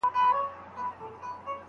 دوی تر دې وړاندي ډېري ستونزي هواري کړي وې.